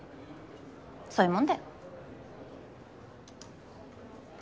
そういうもんだよ。